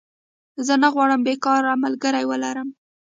زه نه غواړم بيکاره ملګری ولرم